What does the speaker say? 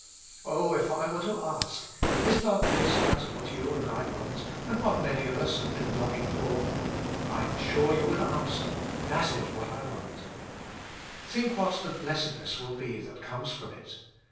Oh I if I were to ask, I8 not this just what you and I want, and what many of us have been longing for ?" I am sure you would answer, ZhtiX 10 wbat 5 want/' Think what the blessedness will be that comes from it.